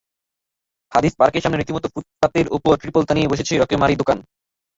হাদিস পার্কের সামনে রীতিমতো ফুটপাতের ওপরে ত্রিপল টানিয়ে বসেছে রকমারি দোকান।